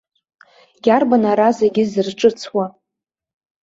Иарбан ара зегь зырҿыцуа?